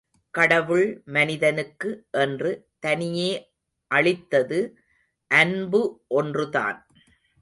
கடவுள் மனிதனுக்கு என்று தனியே அளித்தது அன்பு ஒன்றுதான்.